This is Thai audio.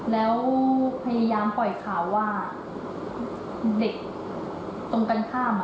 แล้วพยายามปล่อยข่าวว่าเด็กตรงกันข้าม